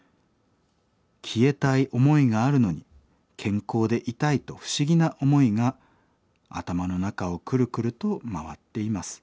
消えたい思いがあるのに健康でいたいと不思議な思いが頭の中をクルクルと回っています。